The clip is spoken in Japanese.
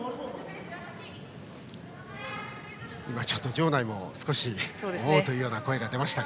場内も少しおおという声も出ました。